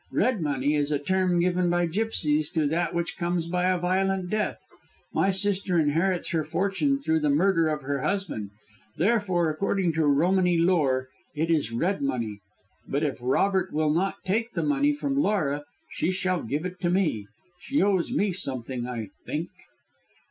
Red money is a term given by gipsies to that which comes by a violent death. My sister inherits her fortune through the murder of her husband; therefore, according to Romany lore, it is red money. But if Robert will not take the money from Laura, she shall give it to me. She owes me something, I think."